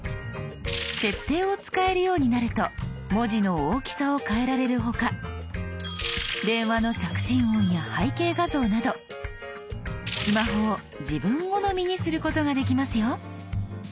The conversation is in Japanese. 設定を使えるようになると文字の大きさを変えられる他電話の着信音や背景画像などスマホを自分好みにすることができますよ。